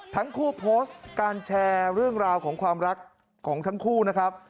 ทั้งคู่โพสต์การแชร์เรื่องราวของความรักของทั้งคู่นะครับ